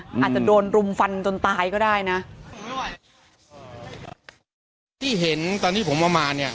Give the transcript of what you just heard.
อาจจะโดนรุมฟันจนตายก็ได้นะที่เห็นตอนที่ผมเอามาเนี้ย